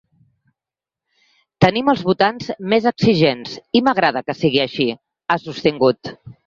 “Tenim els votants més exigents i m’agrada que sigui així”, ha sostingut.